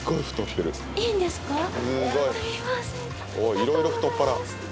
いろいろ太っ腹。